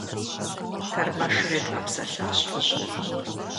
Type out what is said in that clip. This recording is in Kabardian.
Тэрмэшыр едгъэпсэлъащ лӀыжьым.